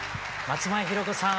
松前ひろ子さん